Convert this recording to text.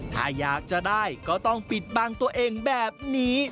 ถ้าอยากจะได้ก็ต้องปิดบังตัวเองแบบนี้